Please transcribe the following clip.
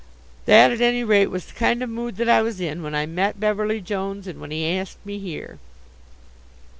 That at any rate was the kind of mood that I was in when I met Beverly Jones and when he asked me here.